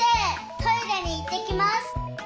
トイレに行ってきます！」